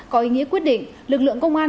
có ý nghĩa quyết định lực lượng công an